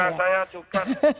sudah saya ajukan